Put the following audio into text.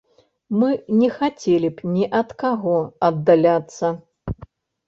Мы не хацелі б ні ад каго аддаляцца.